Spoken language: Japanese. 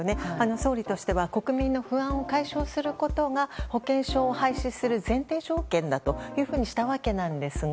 総理としては国民の不安を解消することが保険証を廃止する前提条件としたわけなんですが。